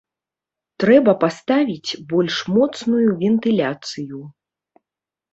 Трэба паставіць больш моцную вентыляцыю.